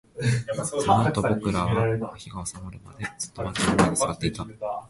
そのあと、僕らは火が収まるまで、ずっと丸太の前で座っていた